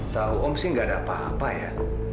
tahu om sih gak ada apa apa ya